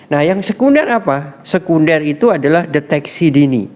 nah yang sekunder apa sekunder itu adalah deteksi dini